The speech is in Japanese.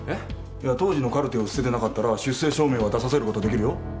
いや当時のカルテを捨ててなかったら出生証明は出させることできるよ。